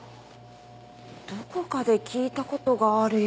どこかで聞いた事があるような。